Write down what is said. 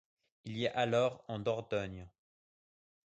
Il y a alors en Dordogne.